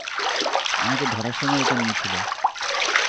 আমাকে ধরার সময় ওটা নিয়েছিল।